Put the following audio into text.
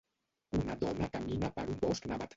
Una dona camina per un bosc nevat.